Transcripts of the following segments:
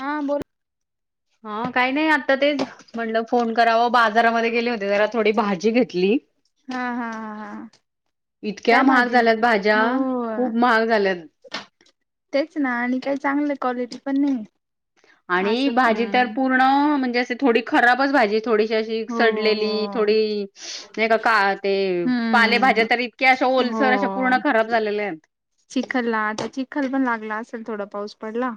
हा बोल. ह [inaudible] हा काही नाही आता तेच म्हणलं फोन करावं बाजारामध्ये गेले होते जरा थोडी भाजी घेतली. हा हा हा हा. इतक्या काय महाग भाजी झाल्यात भाज्या हो खूप महाग झाल्यात. तेच ना आणि काही चांगलं क्वालिटी पण नाही. आणि असं भाजी तर पूर्ण म्हणजे अस थोडी खराबच भाजी थोडी अशी हो हो सडलेली हो थोडी नाही का ते पालेभज्या हम्म तर इतक्या हो ओलसर अशा पूर्ण खराब झालेल्या आहेत. चिखलला आता चिखल पण लागला असेल थोडा पाऊस पडला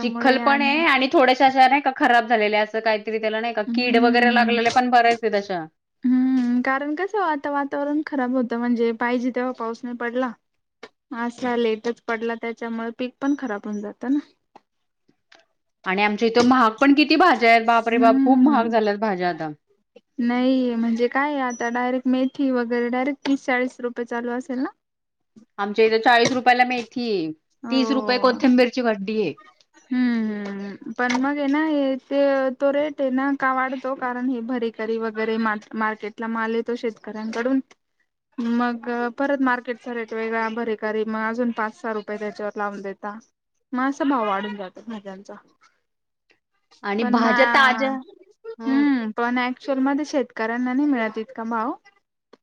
चिखल पण आहे आणि थोड्याश अशा नाही खराब झालेल्या अस काहीतरी त्याला नाही का कीड वगैरे हम्म लागलेले पण बऱ्याच आहे तश्या. हम्म कारण कसं आता वातावरण खराब होतं म्हणजे पाहिजे तेव्हा पाऊस नाही पडला. असा लेटच पडला त्याच्यामुळे पीक पण खराब होऊन जातं ना. आणि आमच्या इथं महाग पण किती किती भाज्या आहेत बाप रे बाप खूप हम्म महाग झाल्यात भाज्या आता. नाही म्हणजे काय आता डायरेक्ट मेथी वगैरे डायरेक्ट तीस चाळीस रुपये चालू असेल ना. आमच्या इथे चाळीस रुपयाला मेथी आहे तीस रुपये हो कोथिंबीरची खड्डी आहे. हम्म पण मग ये ना हे. ते तो रेट आहे ना का वाढतो कारण हे भरीकरी वगैरे मार्केटला माल येतो शेत. णकडून. मग परत मार्केटचा रेट वेगळा बरे कररी मग अजून पाच सहा रुपय. त्याच्यावर लावून देता मगा भाव वाढून जातो भाज्याचा. आणि पण म भाज्या ताज्या ह हम्म पण. शोलमध्ये शेतकऱ्यांना नाही मिळत इत का भाव.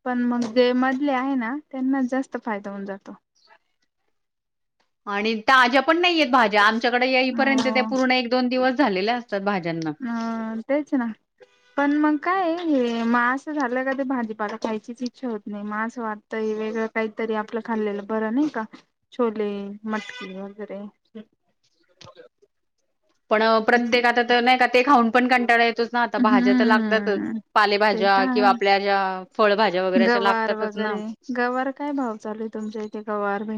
पण मग जे मधले आहे ना त्यांनाच जास्त फायदा होऊन जातो. [unintelligible] आणि ताज्या पण नाही येत. भाज्या आमच्याकडे येईपर्यंत त्या हो पूर्ण एक दोन दिवस झालेल्या असतात भाज्यांना. अ तेच ना पण मग. काय हे मास झालं का ते भाजीपाला कायचीच इच्छा होत नाही मास वाटतय वेगळं काही. तरी आपलं खाल्लेलं बरं नाही का छोले मटकी वगैरे. हम्. पण प्रत्येक आता तर नाही का ते खाऊन पण कंटाळायचोच ना आता भाज्या तर लागतातच हम्म पाले भाज्या. ते अशा गवार लागतातच ना वगैरे गवार काय भाव चालूल तुमच्या इथे. वार ब.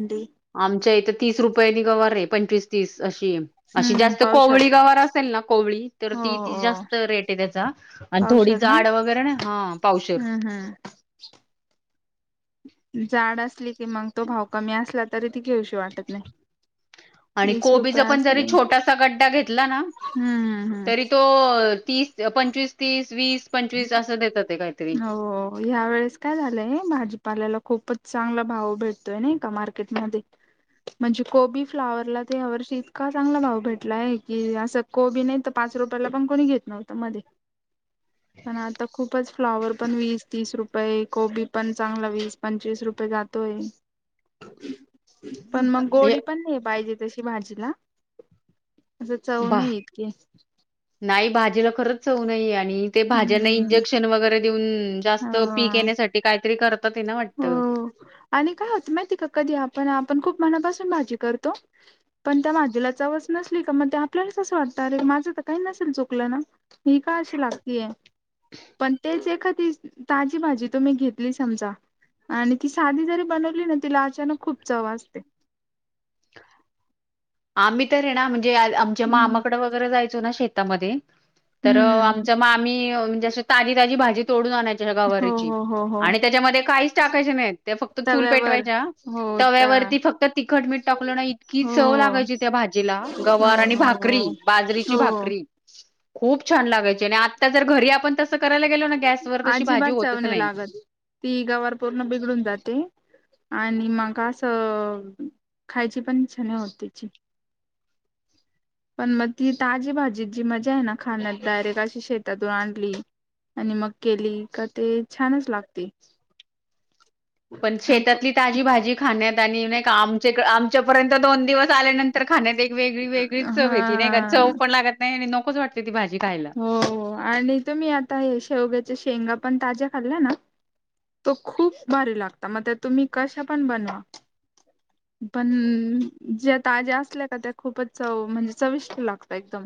आमच्या इथं तीस रुपयानी गवार आहे पंचवीस तीस. अशी अशी हम्म जास्त पावशर कोवळी गावार असेल ना कोवळी तर हो ती हो जास्त रेट आहे त्याचा. आणि थोडी पावशर ना झाड वगैरे ना हा पावशेर. हम्म हम्म जाड असली की मग तो भाव कमी असला तरी ती घेऊशी वाटत नाही. आणि वीस रुपये कोबीचा पण जरी असले हम्म छोटासा गड्डा घेतला ना हम्म तरी तो. तीस पंचवीस तीस वीस पंचवीस असं देतात. ते काहीतरी. हो ह्या वेळेस काय झालंय भाजीपालाला खूपच. चांगला भाव भेटतोय ना का मार्केटमध्येध्ये. म्हणजे कोबी फ्लावरला ते या वर्षी इतका चांगला भाव भेटलाय की असं कोबी नाही तर पाच. च रुपयाला पण कोणी घेत नव्हतं मध्ये. [unintelligible] पण आता खूपच. फ्लाॉवर पण वीस तीस रुपये कोबी पण चांगला वीस पंचवीस रुपये जातोय. [unintelligible] पण मग हे गोडी पण नाही पाहिजे तशी भाजीला. असं चव बा नाही इतकी नाही भाजीला खरंच. चव नाही आणि ते भाज्यांना हम्म इंजेक्शन वगैरे देऊन जास्त पीक हो येण्यासाठी काहीतरी करत. हो आणि काय होत माहिती का कधी आपण आपण खूप. मनापासून भाजी करतो पण त्या भाझीला चवच नसली का मग आपल्याला कस वाटत माझ. का नसेल चुकलं ना मी का अ लागय प ण तेच एखा ताजी भाजी तुम्ही घेतली समजा. आणि ती साधी जरी बनवली ना तिला अचानक खूप चव असते. आम्ही तर आहे ना म्हणजे आमच्या हम्म मामाकडे वगैरे जायचो ना शेतामध्ये. तर हम्म हम्म हम्म आमच्यांग मामी म्हणजे असं ताजी ताजी भाजी तोडून आणायची. हो गवरीची हो हो हो आणि त्याच्यामध्ये काहीच टाकायचे नाही ते फक्त चूल तव्यावर पेटवायच्या. हो ता तव्यावरती फक्त तिखट मीठ. टाकलं ना इतकी हो चव लागायची त्या भाजीला हो गवार आणि हो भाकरी हो बाजरीची हो भाकरी. खूप छान लागायचे आणि आत्ता जर घरी आपण तसं करायला गेलो ना गॅसवरर तशी भाजी अजिबात चव होतच नाही. लागत ती गावार पूर्ण बिघडून जाते. आणि मग असं खायची पण छान होत त्याची. पण मग ती ताजी भाजी जी मजा आहे ना खाण्यात डायरेक्ट अशी शेतातून आणली आणि मग केली का ते छानच लागते पण आप शेतातली ताजी भाजी खाण्यात आणि नाही का आमच्या आमच्यापर्यंत दोन दिवस आल्यानंतर खाण्यात एक वेगळी वेगळीच चव हा घेतली नाही का चव पण लागत नाही नकोच वाट हो आणि तुम्ही आता हे शेवग्याच्या शेंगा पण ताज्या खाल्ल्या ना तो खूप भारी लागता मग तुम्ही कशा पण बनवा पण ज्या ताज्या असल्या का त्या खूपच च म्हणजे चविष्ट लागत एकदम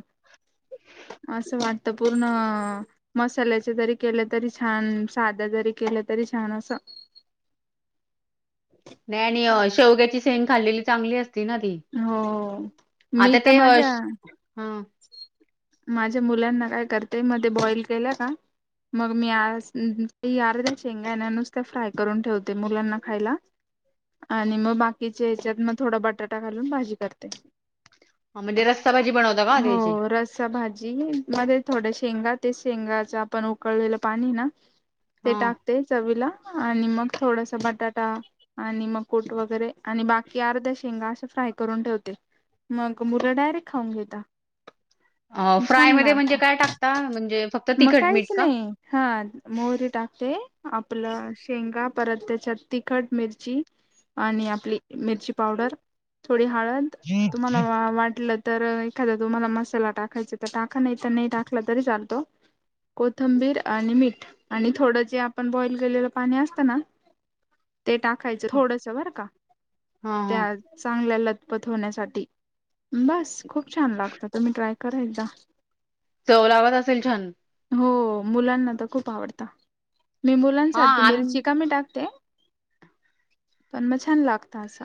असं वाटत पूर्ण मसाल्याच जरी केलं तरी छान साध जरी केलं तरी छान असं नाही आणि शेवग्याची सेंग खाल्लेली चांगली असते ना ती हो आता मी तर ते हा माझ्या माझ्या मुलांना काय करतेय मध्ये बॉईल केला का मग मी यार त्या शचेंगायण्या नुस त्या फ्राय करून ठेवते मुलांना खायला आणि मग बाकीच्या हच्यात मग थोडा बटाटा घालून भाजी करते ह म्हणजे रस्ता भाजी बनवता का हो त्याची रस्सा भाजी मध्ये थोड शेंगा ते शेंगाच आपण उकळलेलं पाणी ना ते हां. टाकते चवीला आणि मग थोडस बटाटा आणि मकुट वगैरे आणि बाकी अर्धा शेंगा असं फ्राय करून ठेव मग मुलं डायरेक्ट खाऊन घेता अ फ्राय छान म लागत म्हणजे काय टाकता म्हणजे फक्त मग तिखट मीठ काहीच का? नाही हा मोरी टाकते आपलं शेंगा परत त्याच्यात तिखट मिरची आणि आपली मिरची पावडर थोडी हळद हां, तुम्हाला वाटलं तर एखादा तुम्हाला मसा ला टाकायच तर टाका नाही तर नाही टाकलं तरी चालतो कोथंबीर आणि मीठ आणि थोडं जे आपण बॉईल केलेलं पाणी असतं ना ते टाकायचं थोडस बर का त्या हां. चांगल्याला पठवण्यासाठी बस खूप छान लागत तुम्ही ट्राय करा एकदा चव लावात असेल छान. हो मुलांना तर खूप आवडत मी हां मुलांसाठी आम मरी चिका मी टाकते. पण मग छान लागत असा.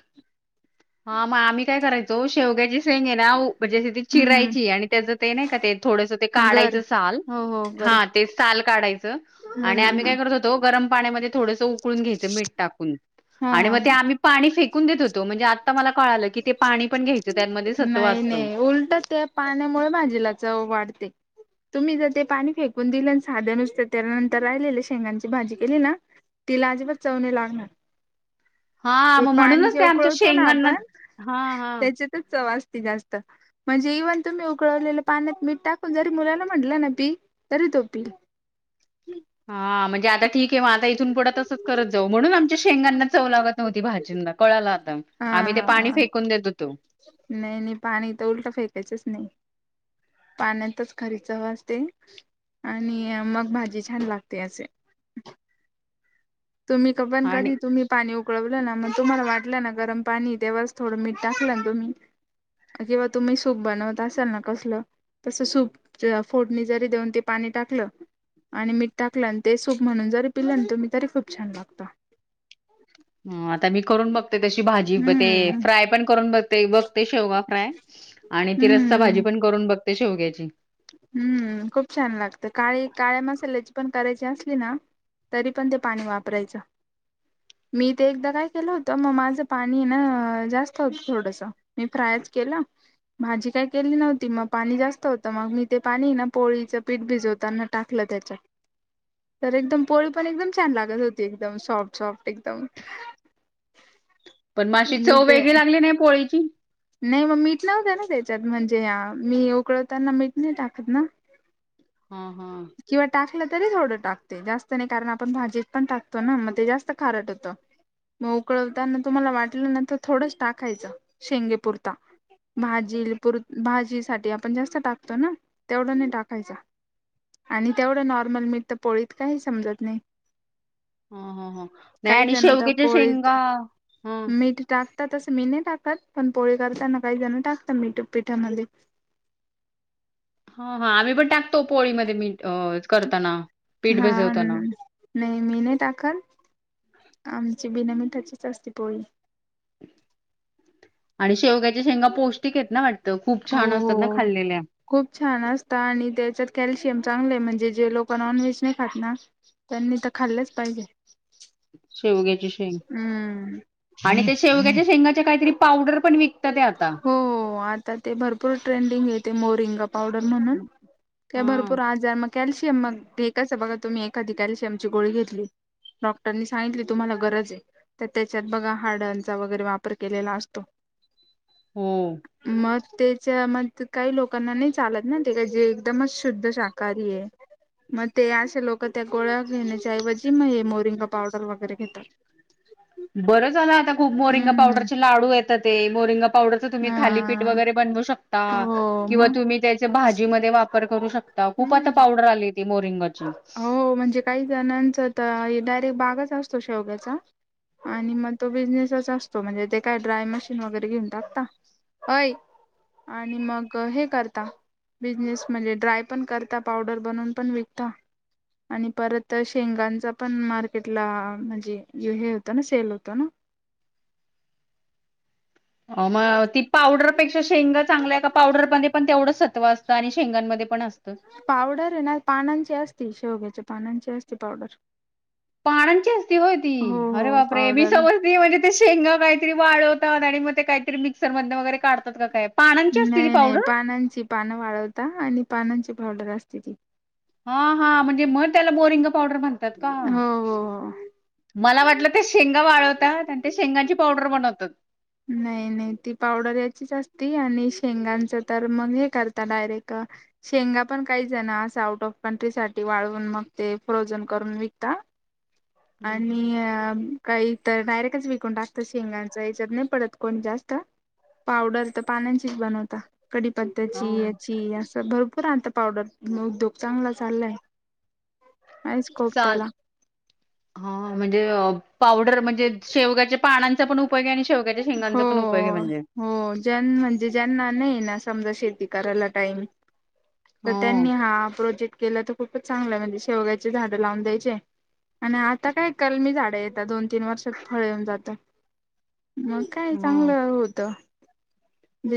हा मग आम्ही काय करायचो शेवग्याची आहे ना म्हजे हम्म चिरायची आणि त्याचं ते नाही का ते थोडस ते हम्म गर काढायचं साल हो हो गर हा तेच सााल काढायचं हा आणि हा आम्ही हा काय करत होतो गरम पाण्यामध्ये थोडसं उकळून घ्यायचं मीठ टाकून हा आणि हा मग ते हा आम्ही पाणी फेकून देत होतो म्हणजे आता मला कळालं की ते पाणी पण घ्यायचं त्यामध्ये सत्व असतं. नाही-नाही उलट त्या पाण्यामुळे माझीला चव वाढते. तुम्ही जर ते पाणी फेकून दिले साध्या नुसते त्यानंतर राहिलेलं शेंगांची भाजी केले ना तिला अजिबात चवने लागणार, हा ते मग पाणी म्हणूनच जे ते आमच्या उकळतो ना शेंगांना आपण हा हा. त्याचे तर चवत जास्त म्हणजे इव्हन तुम्ही उकडवलेलं पाण्यात मीठ टाकून जरी मुलाला म्हटलं ना पी तरी तो पिईल. हा म्हणजे आता ठीक आहे मग आता इथून पुढं तसच करत जाऊ म्हणून आम शेंगांना चव लागत नव्हती, भाजींना कळाला आता आम्ही ते पाणी फेकून देतो तो नाही-नाही पाणी तर उलट फेकायचंच नाही. पाण्याचाच खरीचव असते. आणि मग भाजी छान लागते असे, तुम्ही क पण आणि कधी तुम्ही पाणी उकळवलं ना मग तुम्हाला वाट ना गरम पाणी तेवच थोडं मीठ टाकलं ना तुम् किंवा तुम्ही सूप बनवत असाल ना कसलं तसं सूप फोडणी जरी देऊन ते पाणी टाकलं आणि मीठ टाकलं आणि ते सूप म्हणून जरी पिलं तुम्ही तरी खूप छान लागता. हम आता मी करून बघते तशी भाजी ब ते हम्म फ्राय पण करून बघते-बघते शेवगा काय आणि ती रस्सा भाजी हम्म पण करून बघते शेवग्याची हम्म खूप छान लागतं काळी काळ्या मसाल्याची पण करायची असली ना, तरी पण ते पाणी वापरायचं मी ते एकदा काय केलं होत मग माझं पाणी ना जास्त होत थोडस मी फ्राय केल भाजी काय केली नव्हती मग पाणी जास्त होतं मग मी ते पाणी ना पोळीचं पीठ भिजवताना टाकलं त्याच्यात. तर एकदम पोळी पण एकदम छान लागत होती एकदम सॉफ्ट सॉफ्ट एकदम. पण माशी मी चव ते वेगळी लागली नाही पोळीची, नाही मग मीठ नव्हत ना त्याच्यात म्हणजे मी उकळवताना मीठ नाही टाकत ना हा हा किंवा टाकलं तरी थोडं टाकते जास्त नाही कारण आपण भाजीत पण टाकतो ना मग ते जास्त खारट होतो. मग उकळवताना तुम्हाला वाटलं नाही तर थोडंच टाकायचं शेंगेपुरता. भाजी पुर भाजीसाठी आपण जास्त टाकतो ना तेवढं नाही टाकायच, आणि तेवढं नॉर्मल मित तर पोळीत काही समजत नाही, ह ह ह नाही काही आणि जण तर शेवग्याच्या पोळीत शेंगा हां, मीठ ट [unintelligible] आता तस मी नाही टाकत पण पोळी करताना काही जण टाकतात मीठ पीठामध्ये. हा-हा आम्ही पण टाकतो पोळीमध्ये मीठ अ करताना, पीठ हा भिजवताना नाही मी नाही टाकाल आमची बिना मिठाचीच असते पोळी आणि शेवग्याच्या शेंगा पौष्टिक आहेत ना वाटतं खूप हो छान असतात ना हो खाल्लेल्या. खूप छान असतात, आणि त्याच्यात कॅल्शियम चांगलं म्हणजे जे लोक नॉनव्हेज नाही खात ना त्यांनी तर खालचं पाहिजे शेवग्याची शेंग हम्म आणि त्या शेवग्याच्या शेंगाच्या काहीतरी पावडर पण विक हो आता ते भरपूर ट्रेंडिंग येते मोरिंगा पावडर म्हणून, त्या हां, भरपूर आज मग कॅल्शियम मग एककाच बघा तुम्ही एखादी कॅल्शियम ची गोळी घेतली डॉक्टरनी सांगितली तुम्हाला गरज ये त त्याच्यात बघा हाडाचा वगैरे वापर केलेला असतो. [inaudible] हो. मग त्येच्या म त काही लोकांना नाही चालत ना ते का जे एकदमच शुद्ध शाकाहारी ये. मग ते असे लोक त्या गोळ्या घेण्याच्या ऐवजी मग हे मोरिंगा पावडर वगैरे घेतात. बरं झालं आता खूप मोरिंगा हम्म पावडरचे लाडू येतात ते मोरिंगा पावडर तुम्ही थालीपीठ हा वगैरे बनवू शकता हो किंवा मग तुम्ही त्याचे भाजी मध्ये वापर करू शक ता खूप आता हम्म पावडर आली ती मोरिंगनं हो म्हणजे काही जणांच त डायरेक्ट बागाच असतो शेवग्याचा आणि मग तो बिजनेसच असतो म्हणजे ते काय ड्राय मशीन वगैरे घेऊन टाकता. अय आणि मग हे करता बिझनेस म्हणजे ड्राय पण करता. पावडर बनवून पण विकता. [unintelligible] आणि परत शेंगांचा पण मार्केटला म्हणजे हे होतं ना सेल होत न [inaudible] म ती पावडरपेक्षाशेंगा चांगल्या का पावडरमध्ये पण तेवढंच सत् हो असत आणि शेंगांमध्ये पण अस पावडर ये ना तानांची असतेच शेवग्याची पानांची असते पावडर. पानांची असस्ती होय हो ती अरे हो बाप रे! मी पावडर समजते म्हणजे ते शेंगा काहीतरी वाळवतात आणि मग ते काय तरी मिक्सर मधन वगैरे काढ नाही नाही पानांची पानं वाळवता आणि पानांची पावडर असते ती. हा हा म्हणजे म त्याला बोरिंग पावडर म्हणतात का? हो हो हो मला वाटलं ते शेंगा वाळवतात आणि त्या शेंगांची पावडर बनवतात. नाय ती पावडर याचीच अस ते आणि शेंगांच तर मग हे करता डायरेक्ट शेंगा पण काहीच जण अस आउट ऑफ कट्री साठी वाळून मग ते फ्रोझन करून विकता. आणि काही तर डायरेक्टच विकून टाकतात शेंगांच याच्यात नाय पडत. कोण जास्त पावडर तर पानांचीच बनवता कडीपत्त्याची हा याची असं भरपू पूर आणता पावडर. म उद्योग चांगला चाललाय. आहे स्कोप चाल त्याला हा म्हणजे अ पावडर म्हणजे शेवग्याच्या पानांचा पण उपयोग ये आणि शेवग्याच्या हो शेंगांचा पण उपयोग ये म्हणजे हो ज्यां म्हणजे ज्यांना नाई ना समजा शेती करायला टाईम त त्यांनी हा प्रोजेक्ट केलं तर खूपच चांगलंय म्हणजे शेवग्याचे झाडं लावून द्यायचे आणि आता काय कलमी झाडं येतात दोन तीन वर्षात फळ येऊन जात. मग काय हो. चांगलं होत.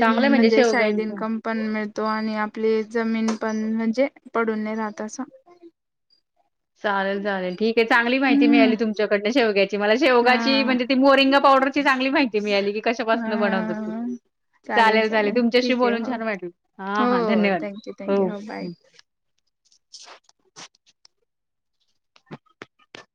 चांगलं म्हणजे साईड शेवग्यांच्या इन्कम पण मिळ तो आणि आपली जमीन पण म्हणजे पडून नाही राहत अस चालेल चालेल ठीक आहे. चांगली माहिती मिळाली तुमच्याकडन शेग्याची मला शेवगाची हा म्हणजे ती मोरिंगा पाव डर ची चांगली माहिती मिळाली की कशा पासना बनवतात ती. ह चालेल चालेल ठीक आहे हो हा हा हो धन्यवाद थँक्यू थँक्यू हो बाय. [inaudible]